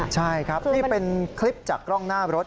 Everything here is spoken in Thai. ใช่เป็นคลิปจากกล้องหน้ารถ